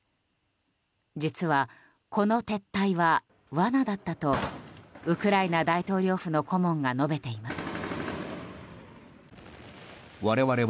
実は、この撤退はわなだったとウクライナ大統領府の顧問が述べています。